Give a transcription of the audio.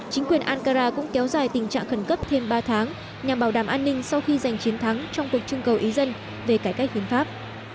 chính quyền ankara cũng kéo dài tình trạng khẩn cấp thêm ba tháng nhằm bảo đảm an ninh sau khi giành chiến thắng trong cuộc trưng cầu ý dân về cải cách hiến pháp